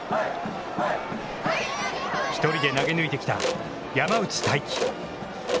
１人で投げ抜いてきた山内太暉。